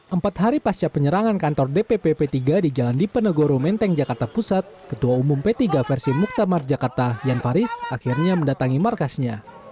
empat hari pasca penyerangan kantor dpp p tiga di jalan dipenegoro menteng jakarta pusat ketua umum p tiga versi muktamar jakarta jan faris akhirnya mendatangi markasnya